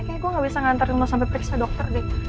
kayaknya gue gak bisa ngantarin mau sampai periksa dokter deh